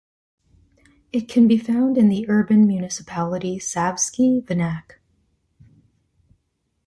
It can be found in the urban municipality, Savski Venac.